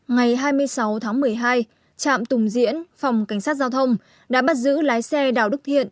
ngày hai mươi sáu tháng một mươi hai trạm tùng diễn phòng cảnh sát giao thông đã bắt giữ lái xe đào đức thiện